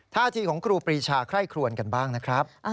ท่าทีของครูปรีชาไคร่ครวนกันบ้างนะครับ